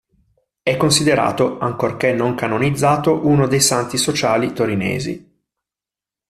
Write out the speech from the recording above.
È considerato, ancorché non canonizzato, uno dei santi sociali torinesi.